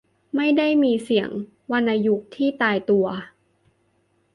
ไม่ได้มีเสียงวรรณยุกต์ที่ตายตัว